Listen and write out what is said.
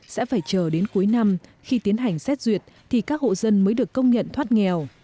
sẽ phải chờ đến cuối năm khi tiến hành xét duyệt thì các hộ dân mới được công nhận thoát nghèo